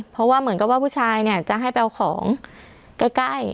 เพราะว่าเหมือนกับว่าผู้ชายเนี่ยจะให้ไปเอาของใกล้